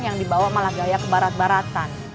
yang dibawa malah gaya ke barat baratan